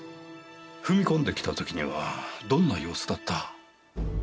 踏み込んできた時にはどんな様子だった？